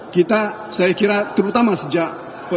kita saya kira terutama sejak seribu sembilan ratus sembilan puluh delapan